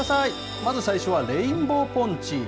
まず最初はレインボーポンチ。